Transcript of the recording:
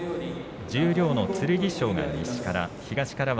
十両の剣翔が西から。